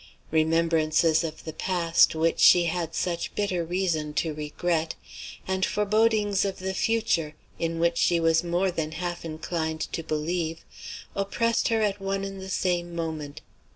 Remembrances of the past, which she had such bitter reason to regret, and forebodings of the future, in which she was more than half inclined to believe, oppressed her at one and the same moment.